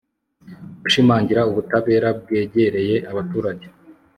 gushimangira ubutabera bwegereye abaturage